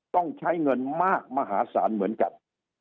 ต้องใช้เงินมากมหาศาลเหมือนกัน